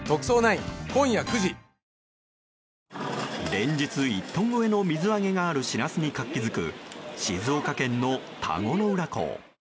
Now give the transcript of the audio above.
連日、１トン超えの水揚げがあるシラスに活気づく、静岡県の田子の浦港。